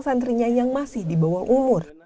santrinya yang masih di bawah umur